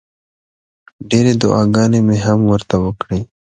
ډېرې دوعاګانې مې هم ورته وکړې.